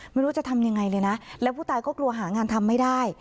ไม่รู้จะทำยังไงเลยนะแล้วผู้ตายก็กลัวหางานทำไม่ได้